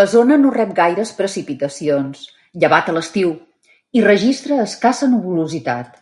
La zona no rep gaires precipitacions, llevat a l'estiu, i registra escassa nuvolositat.